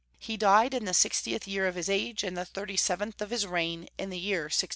He died in the sixtieth year of his age, and the thirty* seventy of his reign, in the year 1612.